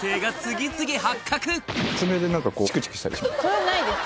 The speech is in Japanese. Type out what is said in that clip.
それはないです